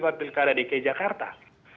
sejarah ini sudah dilukai oleh presiden